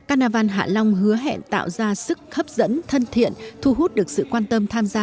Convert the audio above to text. carnival hạ long hứa hẹn tạo ra sức hấp dẫn thân thiện thu hút được sự quan tâm tham gia